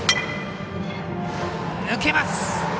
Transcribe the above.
抜けます。